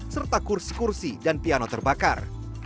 serta kursi kursi dan piano terbakar